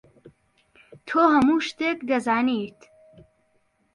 تۆ هەموو شتێک دەزانیت.